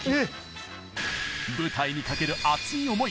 舞台にかける熱い思い！